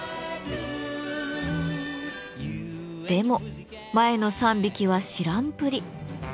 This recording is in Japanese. でも前の３匹は知らんぷり。